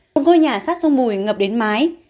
một ngôi nhà sát sông bùi ngập đến mái